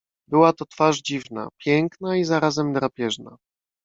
"Była to twarz dziwna: piękna i zarazem drapieżna."